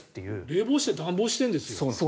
冷房して暖房してるんですよ。